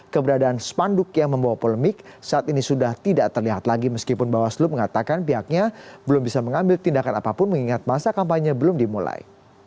keberadaan spanduk yang membawa polemik saat ini sudah tidak terlihat lagi meskipun bawaslu mengatakan pihaknya belum bisa mengambil tindakan apapun mengingat masa kampanye belum dimulai